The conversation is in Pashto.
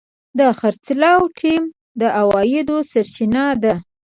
د خرڅلاو ټیم د عوایدو سرچینه ده.